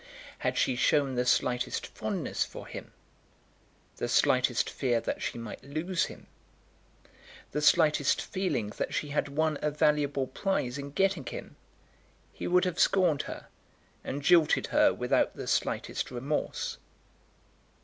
Had she shown the slightest fondness for him, the slightest fear that she might lose him, the slightest feeling that she had won a valuable prize in getting him, he would have scorned her, and jilted her without the slightest remorse.